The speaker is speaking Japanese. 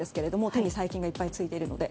手に細菌がいっぱいついているので。